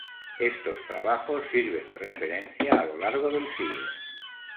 Estos trabajos sirven de referencia a lo largo del siglo.